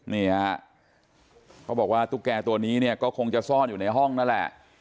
นี่ฮะเขาบอกว่าตุ๊กแก่ตัวนี้เนี่ยก็คงจะซ่อนอยู่ในห้องนั่นแหละ